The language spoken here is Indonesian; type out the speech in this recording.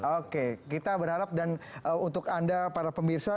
oke kita berharap dan untuk anda para pemirsa